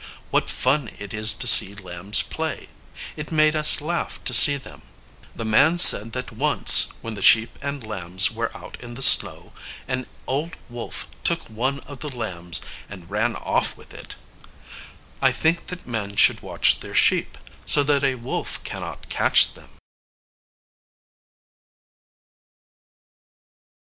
What fun it is to see lambs play! It made us laugh to see them. The man said that once, when the sheep and lambs were out in the snow, an old wolf took one of the lambs, and ran off with it. I think that men should watch their sheep, so that a wolf can not catch them.